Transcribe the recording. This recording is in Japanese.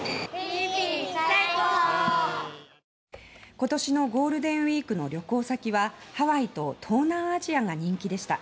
今年のゴールデンウィークの旅行先はハワイと東南アジアが人気でした。